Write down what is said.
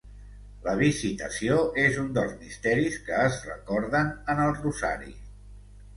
La Visitació és un dels misteris que es recorden en el rosari.